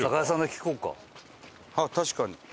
ああ確かに。